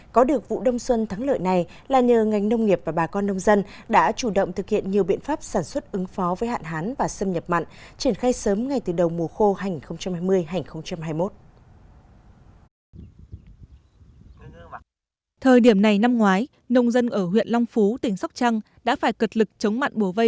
có được vụ đông xuân thắng lợi này là nhờ ngành nông nghiệp và bà con nông dân đã chủ động thực hiện nhiều biện pháp sản xuất ứng phó với hạn hán và xâm nhập mặn triển khai sớm ngay từ đầu mùa khô hai nghìn hai mươi hai nghìn hai mươi một